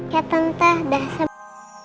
ya tante udah sembuh